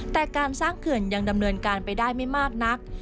แต่การสร้างเขื่อนยังดำเนินการไปได้ไม่มากนัก